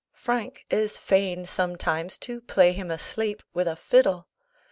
Frank is fayne sometimes to play him asleep with a fiddle.